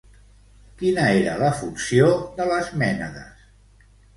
Quina era la funció de les mènades?